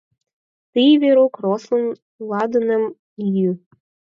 — Тый, Верук, рослын ладыным йӱ...